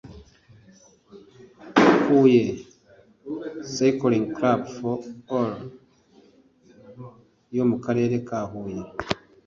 Huye Cycling Club for All yo mu karere ka Huye